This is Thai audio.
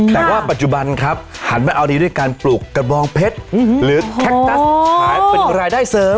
แต่ว่าปัจจุบันครับหันมาเอาดีด้วยการปลูกกระบองเพชรหรือแคคตัสขายเป็นรายได้เสริม